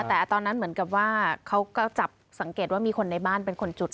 แต่ตอนนั้นเหมือนกับว่าเขาก็จับสังเกตว่ามีคนในบ้านเป็นคนจุด